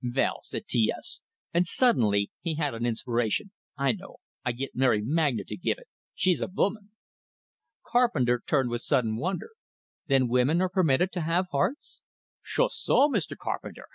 "Vell," said T S and suddenly he had an inspiration. "I know. I git Mary Magna to give it! She's a voman!" Carpenter turned with sudden wonder. "Then women are permitted to have hearts?" "Shoost so, Mr. Carpenter!